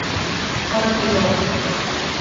Horti Bot.